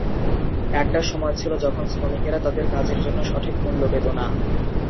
একটা সময় ছিল যখন শ্রমিকেরা তাদের কাজের জন্য সঠিক মূল্য পেত না।